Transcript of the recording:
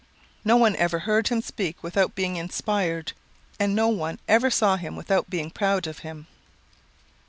No one ever heard him speak without being inspired, and no one ever saw him without being proud of him."